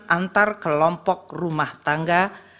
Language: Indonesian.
antar kelompok rumah tangga